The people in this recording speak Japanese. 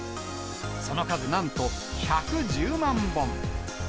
その数なんと１１０万本。